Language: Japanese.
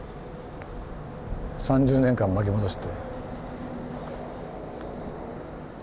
３０年間巻き戻して。